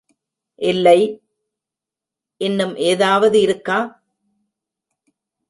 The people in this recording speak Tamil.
இல்லை...... இன்னும் ஏதாவது இருக்கா?